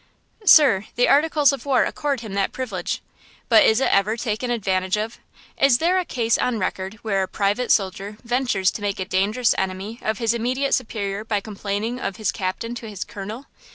"Sir, the Articles of War accord him that privilege. But is it ever taken advantage of? Is there a case on record where a private soldier ventures to make a dangerous enemy of his immediate superior by complaining of his Captain to his Colonel?